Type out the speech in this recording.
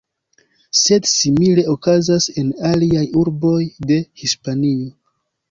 Sed simile okazas en aliaj urboj de Hispanio.